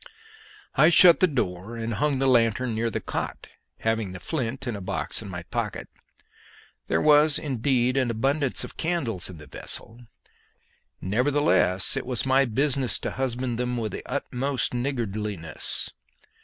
I shut the door and hung the lanthorn near the cot, having the flint and box in my pocket. There was indeed an abundance of candles in the vessel; nevertheless, it was my business to husband them with the utmost niggardliness.